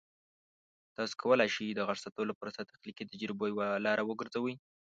تاسو کولی شئ د غږ ثبتولو پروسه د تخلیقي تجربو یوه لاره وګرځوئ.